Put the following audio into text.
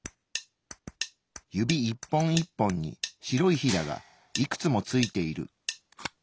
指一本一本に白いヒダがいくつもついている。